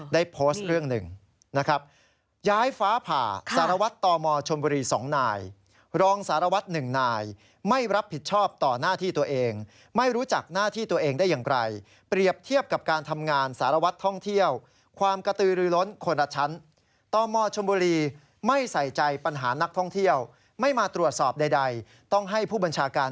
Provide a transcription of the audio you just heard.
ได้โพสต์เรื่องหนึ่งนะครับ